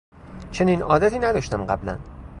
چنین عادتی نداشتم قبلا